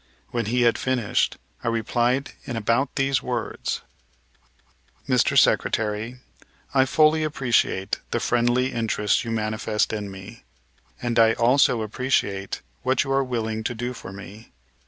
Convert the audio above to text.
When he had finished, I replied in about these words: "Mr. Secretary, I fully appreciate the friendly interest you manifest in me, and I also appreciate what you are willing to do for me.